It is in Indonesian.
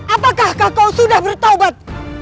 apakah kau sudah bertobat